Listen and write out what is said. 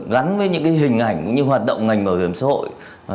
rắn với những cái hình ảnh cũng như hoạt động ngành bảo hiểm xã hội